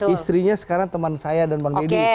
istrinya sekarang teman saya dan bang deddy